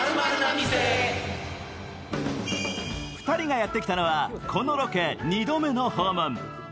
２人がやってきたのはこのロケ２度目の訪問。